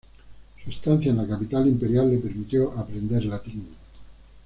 Su estancia en la capital imperial le permitió aprender latín.